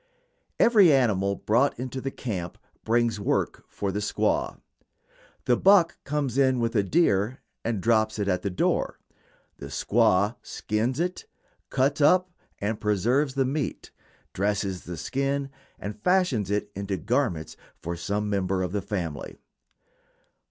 Every animal brought into the camp brings work for the squaw. The buck comes in with a deer and drops it at the door. The squaw skins it, cuts up and preserves the meat, dresses the skin and fashions it into garments for some member of the family.